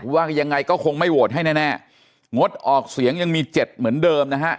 ว่ายังไงก็คงไม่โหวตให้แน่งดออกเสียงยังมีเจ็ดเหมือนเดิมนะฮะ